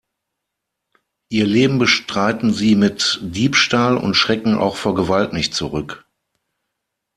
Ihr Leben bestreiten sie mit Diebstahl und schrecken auch vor Gewalt nicht zurück.